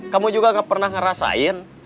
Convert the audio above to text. kamu juga gak pernah ngerasain